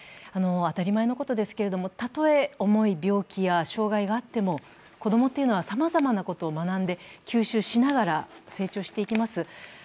当たり前のことですけれども、たとえおもい病気や障害があっても障害があっても子供というのはさまざまなことを学んで吸収しながら成長していきます。